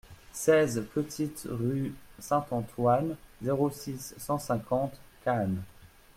seize petite Rue Saint-Antoine, zéro six, cent cinquante, Cannes